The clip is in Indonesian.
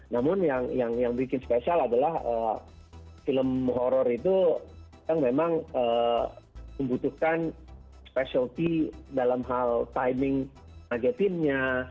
namun yang bikin spesial adalah film horror itu yang memang membutuhkan specialty dalam hal timing agetinnya